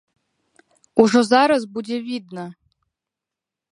Ужо зараз будзе відна.